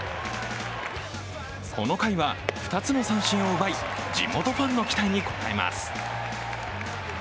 この回は２つの三振を奪い、地元ファンの期待に応えます。